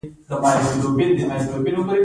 د دره صوف سکاره ډیر لوړ حرارت لري.